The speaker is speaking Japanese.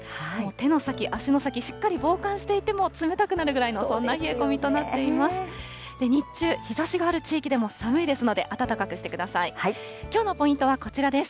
手の先、足の先、しっかり防寒していても冷たくなるぐらいの、そんな冷え込みとなっています。